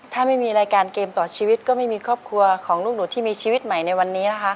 ถ้าไม่มีรายการเกมต่อชีวิตก็ไม่มีครอบครัวของลูกหนูที่มีชีวิตใหม่ในวันนี้นะคะ